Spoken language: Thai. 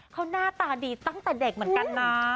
เขาหน้าตาดีตั้งแต่เด็กเหมือนกันนะ